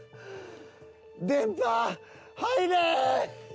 電波入れ！